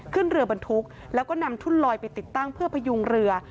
ขึ้นเรือบรรทุกแล้วก็นำทุ่นลอยไปติดตั้งเพื่อพยุงเรือ